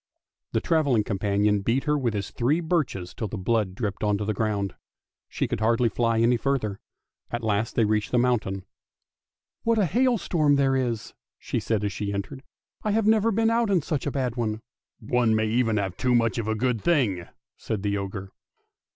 The travelling companion beat her with his three birches till the blood dripped on to the ground. She could hardly fly any further. At last they reached the mountain. " What a hailstorm there is! " she said as she entered. " I have never been out in such a bad one! "" One may even have too much of a good thing! " said the ogre.